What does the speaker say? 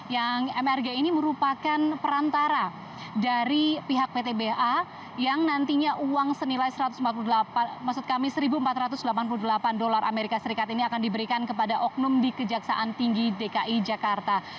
yang mrg ini merupakan perantara dari pihak ptba yang nantinya uang senilai seribu empat ratus delapan puluh delapan dolar as ini akan diberikan kepada oknum di kejaksaan tinggi dki jakarta